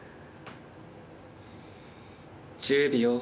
１０秒。